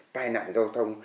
tai nạn giao thông